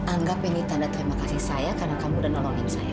anggap ini tanda terima kasih saya karena kamu udah nolongin saya